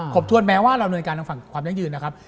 ขบถ้วนแม้ว่าเราเนินการของความยั้งยืนนะครับ